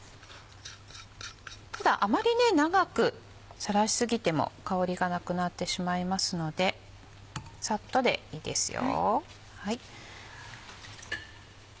ただあまり長くさらし過ぎても香りがなくなってしまいますのでサッとでいいですよ。